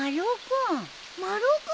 丸尾君。